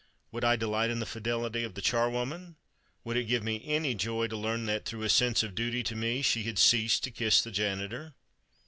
Would I delight in the fidelity of the charwoman? Would it give me any joy to learn that, through a sense of duty to me, she had ceased to kiss the janitor?